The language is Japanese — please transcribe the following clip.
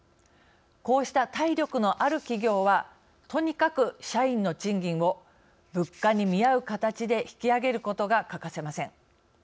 こうした体力のある企業はとにかく社員の賃金を物価に見合う形で引き上げることが欠かせません。